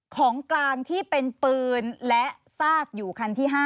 ของกลางที่เป็นปืนและซากอยู่คันที่๕